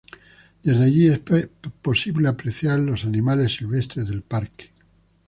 Desde allí, es posible apreciar los animales silvestres del parque.